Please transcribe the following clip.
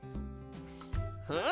ふん！